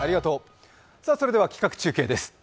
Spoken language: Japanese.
それでは企画中継です。